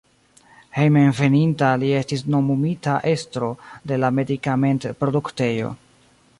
Hejmenveninta li estis nomumita estro de la medikamentproduktejo.